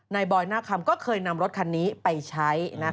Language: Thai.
บอยหน้าคำก็เคยนำรถคันนี้ไปใช้